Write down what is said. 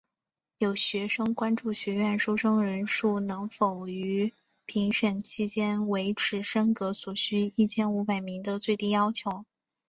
有学生关注学院收生人数能否于评审期间维持升格所需一千五百名的最低要求。